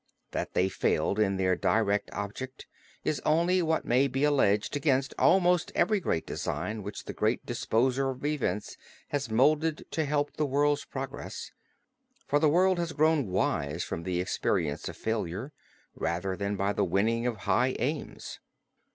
That they failed in their direct object is only what may be alleged against almost every great design which the great disposer of events has moulded to help the world's progress; for the world has grown wise from the experience of failure, rather than by the winning of high aims.